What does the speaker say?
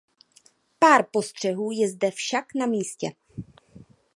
Pár postřehů je zde však na místě.